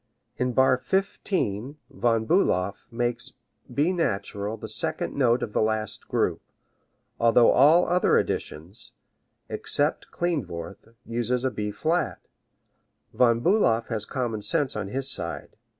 In bar fifteen Von Bulow makes B natural the second note of the last group, although all other editions, except Klindworth, use a B flat. Von Bulow has common sense on his side.